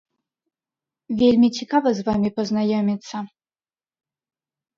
Вельмі цікава з вамі пазнаёміцца!